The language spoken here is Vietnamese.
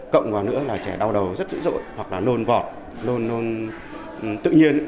cộng vào nữa là trẻ đau đầu rất dữ dội hoặc là nôn vọt luôn tự nhiên